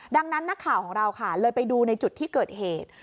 ดังนั้นนักข่าวของเราค่ะเลยไปดูในจุดที่เกิดเหตุ